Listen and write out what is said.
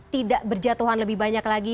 tidak berjatuhan lebih banyak lagi